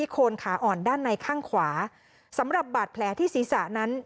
ข้างขวาสำหรับบาดแผลที่สีสานั้น